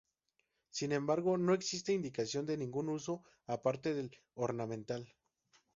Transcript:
Sin embargo, no existe indicación de ningún uso aparte del ornamental.